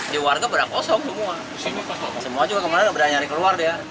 semua juga kemarin berani nyari keluar